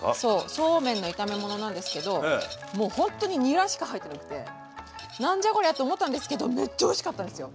そうめんの炒め物なんですけどもうほんとににらしか入ってなくて何じゃこりゃって思ったんですけどめっちゃおいしかったんですよ